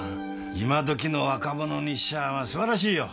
今時の若者にしちゃあ素晴らしいよ！